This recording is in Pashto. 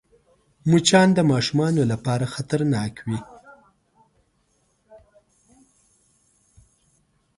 مچان د ماشومانو لپاره خطرناک وي